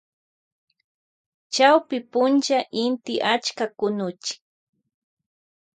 Chawpy punlla inti achka kunuchin.